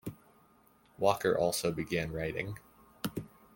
Walker also began writing.